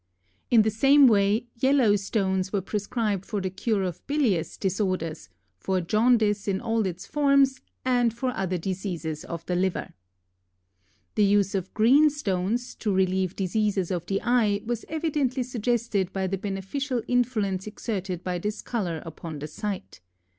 In the same way yellow stones were prescribed for the cure of bilious disorders, for jaundice in all its forms and for other diseases of the liver. The use of green stones to relieve diseases of the eye was evidently suggested by the beneficial influence exerted by this color upon the sight.